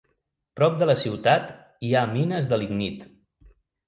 Prop de la ciutat hi ha mines de lignit.